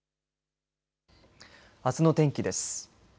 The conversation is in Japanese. あすの天気です。